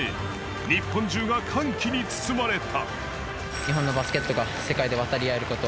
日本中が歓喜に包まれた。